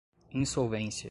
insolvência